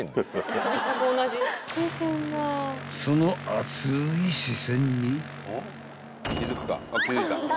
［その熱い視線に］